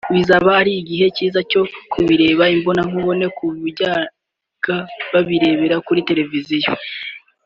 Bizaba ari igihe cyiza cyo kubireba imbonankubone ku bajyaga babirebera kuri televiziyo